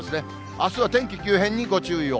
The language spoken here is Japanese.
あすは天気急変にご注意を。